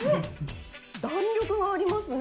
弾力がありますね。